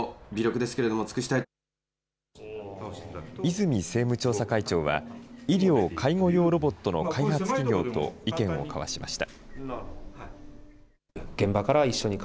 泉政務調査会長は、医療・介護用ロボットの開発企業と意見を交わしました。